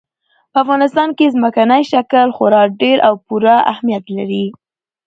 په افغانستان کې ځمکنی شکل خورا ډېر او پوره اهمیت لري.